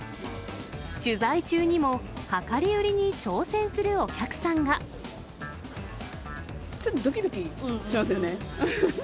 取材中にも量り売りに挑戦するおちょっとどきどきしますよね。